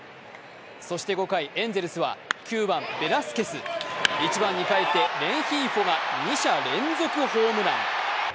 そして５回、エンゼルスは９番・ベラスケス、１番に返ってレンヒーフォが二者連続ホームラン。